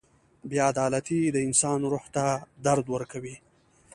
• بې عدالتي د انسان روح ته درد ورکوي.